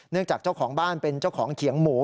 จากเจ้าของบ้านเป็นเจ้าของเขียงหมู